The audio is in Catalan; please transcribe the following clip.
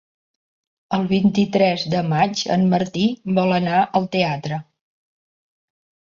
El vint-i-tres de maig en Martí vol anar al teatre.